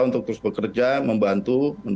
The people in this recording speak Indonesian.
untuk terus bekerja membantu